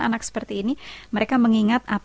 anak seperti ini mereka mengingat